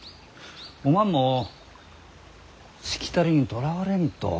おまんもしきたりにとらわれんと。